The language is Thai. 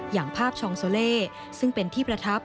อย่างภาพชองโซเลซึ่งเป็นที่ประทับ